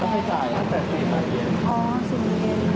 อ๋อ๑๐ปี